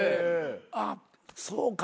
あっそうか